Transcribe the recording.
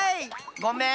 ごめん。